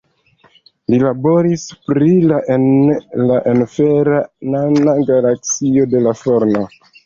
Li laboris pri la en la sfera nana galaksio de la Forno.